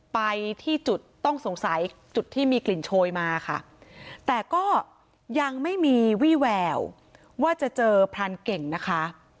ไปที่จุดต้องสงสัยจุดที่มีกลิ่นโชยมาค่ะแต่ก็ยังไม่มีวี่แววว่าจะเจอพรานเก่งนะคะ